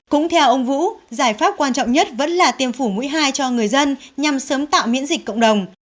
cũng theo ông vũ giải pháp quan trọng nhất vẫn là tiêm phủ mũi hai cho người dân nhằm sớm tạo miễn dịch cộng đồng